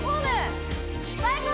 最高！